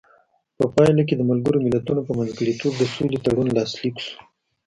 په پایله کې د ملګرو ملتونو په منځګړیتوب د سولې تړون لاسلیک شو.